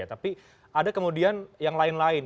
tapi ada kemudian yang lain lain